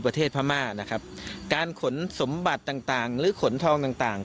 พม่านะครับการขนสมบัติต่างต่างหรือขนทองต่างต่าง